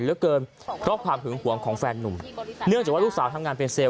เหลือเกินเพราะความหึงหวงของแฟนนุ่มเนื่องจากว่าลูกสาวทำงานเป็นเซลล